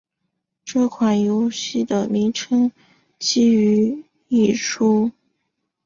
这款游戏的名称基于一出。